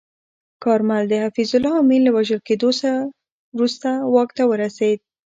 کارمل د حفیظالله امین له وژل کېدو وروسته واک ته ورسید.